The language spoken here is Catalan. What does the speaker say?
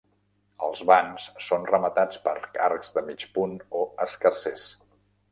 Els vans són rematats per arcs de mig punt o escarsers.